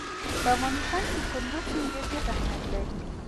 په افغانستان کې کندز سیند ډېر زیات اهمیت لري.